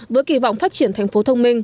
với kỳ vọng phát triển thành phố thông minh